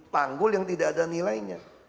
tanggul yang tidak ada nilainya